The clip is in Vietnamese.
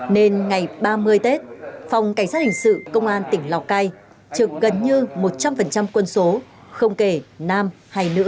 nên ngày ba mươi tết phòng cảnh sát hình sự công an tỉnh lào cai trực gần như một trăm linh quân số không kể nam hay nữ